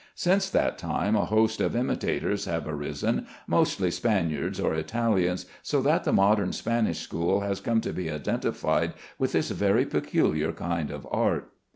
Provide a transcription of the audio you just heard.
Since that time a host of imitators have arisen, mostly Spaniards or Italians, so that the modern Spanish school has come to be identified with his very peculiar kind of art.